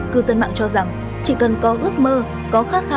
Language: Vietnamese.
cư dân mạng cho rằng chỉ cần có ước mơ